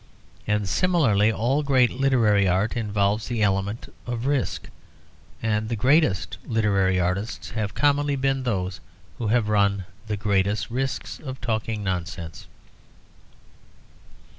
And similarly all great literary art involves the element of risk, and the greatest literary artists have commonly been those who have run the greatest risk of talking nonsense.